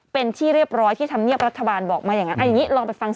เป็นที่เรียบร้อยที่ทำเงียบรัฐบาลบอกมาอย่างนั้น